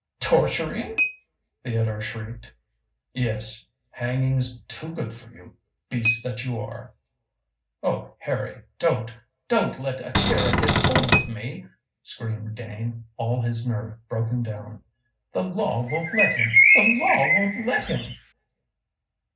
"Torturing!" Theodore shrieked. "Yes. Hanging's too good for you, beast that you are." "Oh, Harry, don't don't let Akira get hold of me!" screamed Dane, all his nerve broken down. "The law won't let him; the law won't let him!"